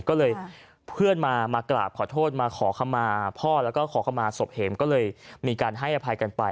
ก็เลยเพื่อนมากราบขอโทษมาขอคำมาพ่อแล้วก็ขอเข้ามาศพเห็มก็เลยมีการให้อภัยกันไป